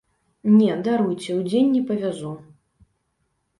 Не, даруйце, удзень не павязу!